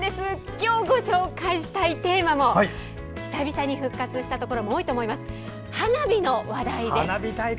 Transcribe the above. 今日ご紹介したいテーマも久々に復活したところも多いと思います、花火の話題です。